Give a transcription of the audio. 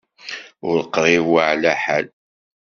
Ur qrib, ur ɛla ḥal.